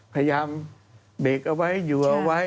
พยายามเบรกเอาไว้อยู่เอาไว้